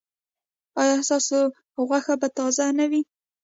ایا ستاسو غوښه به تازه نه وي؟